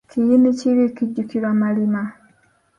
Kiyini kibi, kijjukirwa malima.